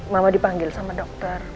mama dipanggil sama dokter